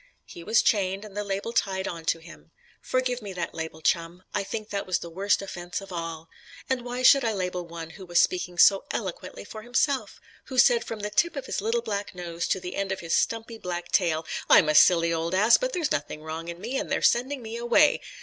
He was chained, and the label tied on to him. Forgive me that label, Chum; I think that was the worst offence of all. And why should I label one who was speaking so eloquently for himself; who said from the tip of his little black nose to the end of his stumpy black tail, "I'm a silly old ass, but there's nothing wrong in me, and they're sending me away!"